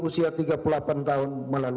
garing layan tanjung priuk garing dua puluh lima